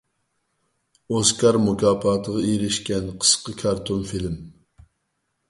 ئوسكار مۇكاپاتىغا ئېرىشكەن قىسقا كارتون فىلىم.